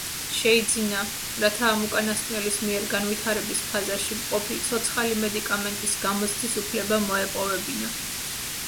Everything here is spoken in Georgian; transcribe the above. შეიძინა, რათა ამ უკანასკნელის მიერ განვითარების ფაზაში მყოფი ცოცხალი მედიკამენტის გამოცდის უფლება მოეპოვებინა.